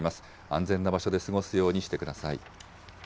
安全な場所で過ごすようにしてください。